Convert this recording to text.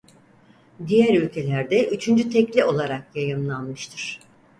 Diğer ülkelerde üçüncü tekli olarak yayımlanmıştır.